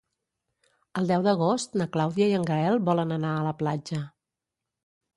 El deu d'agost na Clàudia i en Gaël volen anar a la platja.